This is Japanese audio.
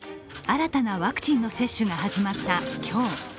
新たなワクチンの接種が始まった今日。